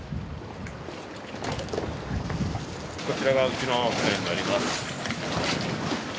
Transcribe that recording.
こちらがうちの船になります。